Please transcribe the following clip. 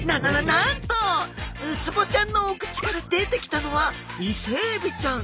なんとウツボちゃんのお口から出てきたのはイセエビちゃん。